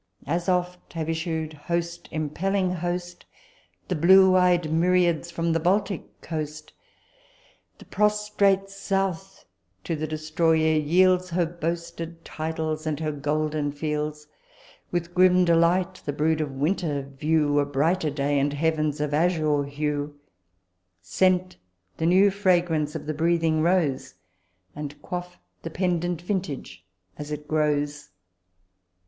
As oft have issu'd, host impelling host, The blue ey'd myriads from the Baltic coast : The prostrate south to the destroyer yields Her boasted titles and her golden fields ; With grim delight the brood of winter view A brighter day and heavens of azure hue, Scent the new fragrance of the breathing rose, And quaff the pendent vintage as it grows."